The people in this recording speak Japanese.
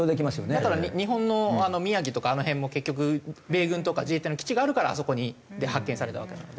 だから日本の宮城とかあの辺も結局米軍とか自衛隊の基地があるからあそこで発見されたわけなので。